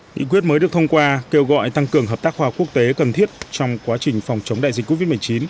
nghị quyết mới được thông qua kêu gọi tăng cường hợp tác hòa quốc tế cần thiết trong quá trình phòng chống đại dịch covid một mươi chín